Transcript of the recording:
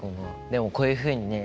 でもこういうふうにね